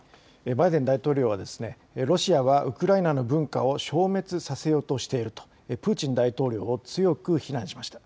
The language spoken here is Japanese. バイデン大統領はロシアはウクライナの文化を消滅させようとしているとプーチン大統領を強く非難しました。